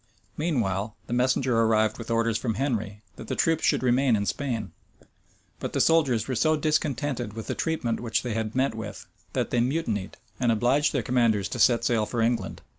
Meanwhile the messenger arrived with orders from Henry, that the troops should remain in Spain; but the soldiers were so discontented with the treatment which they had met with, that they mutinied, and obliged their commanders to set sail for England.